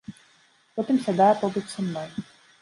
Потым сядае побач са мной.